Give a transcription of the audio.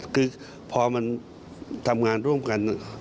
คือพอมันทำงานร่วมกัน